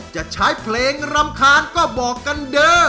จะใช้เพลงรำคาญก็บอกกันเด้อ